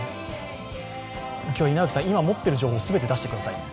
稲垣さん、今、持っている情報を全て出してください。